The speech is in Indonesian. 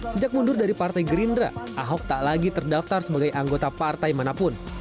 sejak mundur dari partai gerindra ahok tak lagi terdaftar sebagai anggota partai manapun